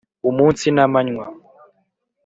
umunsi n'amanywa,